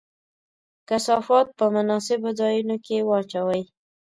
کثافات په مناسبو ځایونو کې واچوئ.